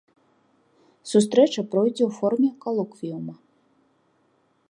Сустрэча пройдзе ў форме калоквіюма.